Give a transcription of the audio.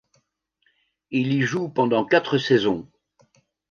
Il y joue pendant quatre saisons.